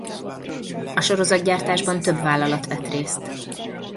A sorozatgyártásban több vállalat vett részt.